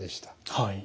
はい。